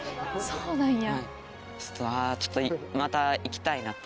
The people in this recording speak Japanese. そうなんや。